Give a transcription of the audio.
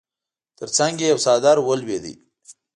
تر څنګ يې يو څادر ولوېد.